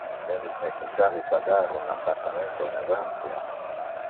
Non es necessari pagar un appartamento in avantia.